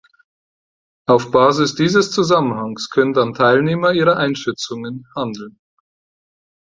Auf Basis dieses Zusammenhangs können dann Teilnehmer ihre Einschätzungen handeln.